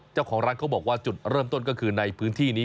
เจ้าของร้านเขาบอกว่าจุดเริ่มต้นก็คือในพื้นที่นี้